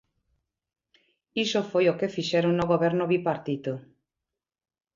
Iso foi o que fixeron no Goberno bipartito.